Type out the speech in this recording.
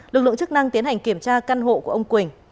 lực lượng chức năng tiến hành kiểm tra căn hộ của ông quỳnh